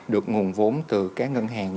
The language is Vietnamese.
được nguồn vốn từ các ngân hàng